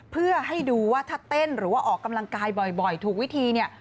เพื่อให้ดูว่าถ้าเต้นหรือว่าออกกำลังกายบ่อยถูกวิธีเนี่ย